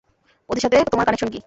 ওদের সাথে তোমার কানেকশন কী?